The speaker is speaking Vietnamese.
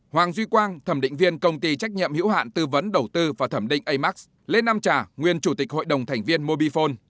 hoàng duy quang thẩm định viên công ty trách nhiệm hiểu hạn tư vấn đầu tư và thẩm định amax lê nam trà nguyên chủ tịch hội đồng thành viên mobifone